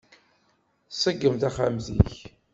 Ṣeggem taxxamt-ik!